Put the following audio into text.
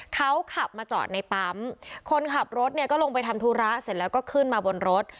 เขาขับมาจอดในปั๊มคนขับรถเนี่ยก็ลงไปทำธุระเสร็จแล้วก็ขึ้นมาบนรถ